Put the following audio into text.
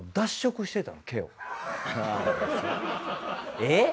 えっ？